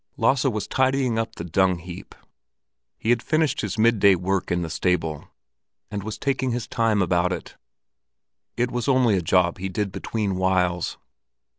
Lasse was tidying up the dung heap. He had finished his midday work in the stable, and was taking his time about it; it was only a job he did between whiles.